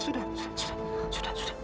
sudah sudah sudah